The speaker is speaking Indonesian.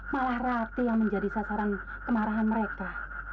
malah rati yang menjadi sasaran kemarahan mereka